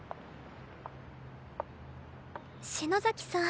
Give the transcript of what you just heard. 篠崎さん。